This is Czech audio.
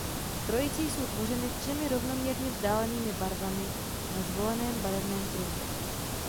Trojice jsou tvořeny třemi rovnoměrně vzdálenými barvami na zvoleném barevném kruhu.